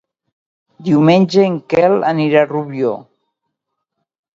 Diumenge en Quel anirà a Rubió.